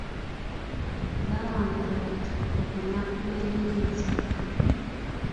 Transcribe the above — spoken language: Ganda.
Baawangula ekikopo ku lunaku lw'ebyemizannyo.